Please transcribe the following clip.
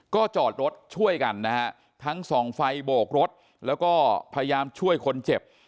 ก็จอดรถช่วยกันนะฮะทั้งสองไฟโบกรถแล้วก็พยายามช่วยคนเจ็บ